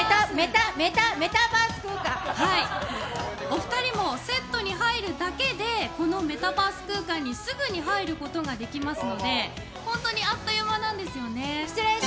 お二人もセットに入るだけでこのメタバース空間にすぐに入ることができますので本当にあっという間なんですよね。